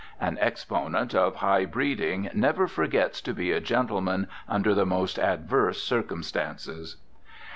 An exponent of high breeding never forgets to be a gentleman under the most adverse circumstances.